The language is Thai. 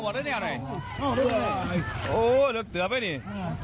โอ้ยเหลือไปเนี่ย